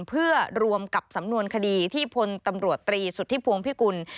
เพื่อรวมกับสำนวนคดีที่พลตำรวจตรีสุทธิพวงพิกุล